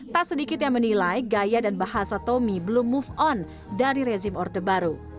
tak sedikit yang menilai gaya dan bahasa tommy belum move on dari rezim orde baru